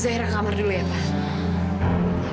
zaira ke kamar dulu ya pak